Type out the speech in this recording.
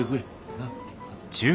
なっ。